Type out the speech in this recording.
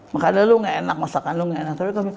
makanan lu ga enak masakan lu ga enak